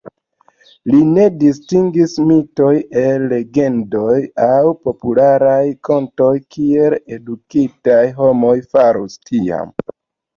Li ne distingis mitojn el legendoj aŭ popularaj kontoj kiel edukitaj homoj farus tiam.